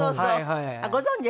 はい。